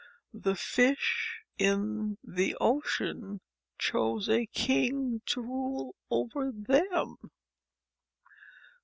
The fish in the ocean chose a king to rule over them.